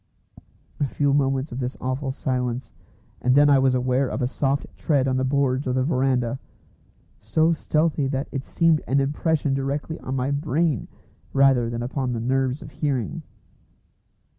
A few moments of this awful silence, and then I was aware of a soft tread on the boards of the verandah, so stealthy that it seemed an impression directly on my brain rather than upon the nerves of hearing.